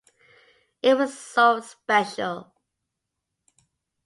It was so special.